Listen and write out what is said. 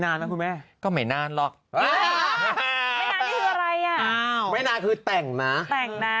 นานแล้วคุณแม่ก็ไม่นานหรอกอะไรอะไม่นานคือแต่งนะแต่งนะ